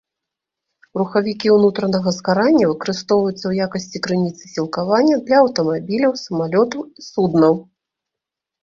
Рухавікі ўнутранага згарання выкарыстоўваюцца ў якасці крыніцы сілкавання для аўтамабіляў, самалётаў і суднаў.